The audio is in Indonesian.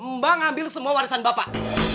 mbah ngambil semua warisan bapak